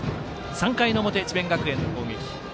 ３回の表、智弁学園の攻撃。